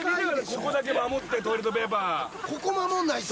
ここだけ守ってトイレットペーパーここ守んないと